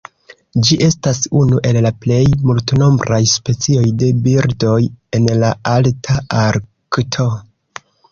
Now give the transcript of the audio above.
Ĝi estas unu el la plej multnombraj specioj de birdoj en la Alta Arkto.